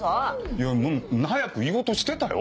いや早く言おうとしてたよ？